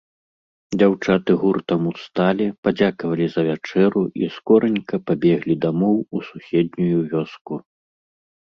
Дзяўчаты гуртам усталі, падзякавалі за вячэру і скоранька пабеглі дамоў у суседнюю вёску.